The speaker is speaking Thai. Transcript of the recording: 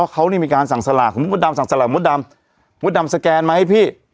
อ๋อเขานี่มีการสั่งสลากหมดดำสั่งสลากหมดดำสแกนมาให้พี่